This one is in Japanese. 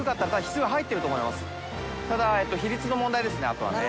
あとはね。